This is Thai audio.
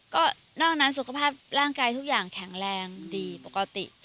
ก็นอกนั้นสุขภาพร่างกายทุกอย่างแข็งแรงดีปกติ